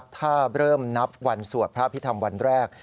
ถ้าเริ่มนับวันสวดพระพิธรรมวันแรก